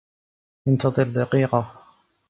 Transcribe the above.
انتظر دقيقة